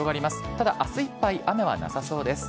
ただ、あすいっぱい雨はなさそうです。